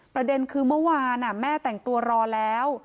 ประเด็นคือเมื่อวานแม่แต่งตัวรอแล้ว